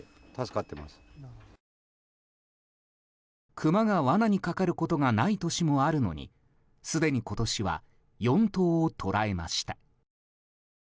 クマが罠にかかることがない年もあるのにすでに今年は４頭を捕らえました。